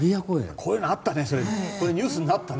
こういうのあったね